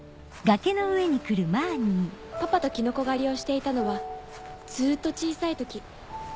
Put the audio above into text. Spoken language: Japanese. パパとキノコ狩りをしていたのはずっと小さい時。